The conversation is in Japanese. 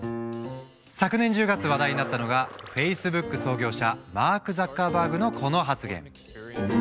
昨年１０月話題になったのがフェイスブック創業者マーク・ザッカーバーグのこの発言。